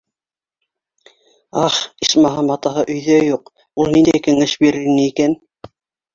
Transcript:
Ах, исмаһам, атаһы өйҙә юҡ, ул ниндәй кәңәш бирер ине икән?